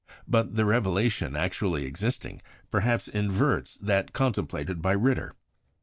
But the relation actually existing perhaps inverts that contemplated by Ritter.